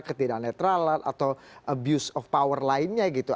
ketidak netralan atau abuse of power lainnya gitu